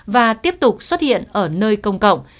và tiếp tục xuất hiện ở nơi công cộng